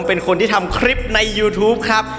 เป็นคนที่ทำคลิปในยูทูปครับ